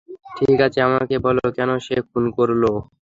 ঠিক আছে, আমাকে বলো, কেন সে খুন করল?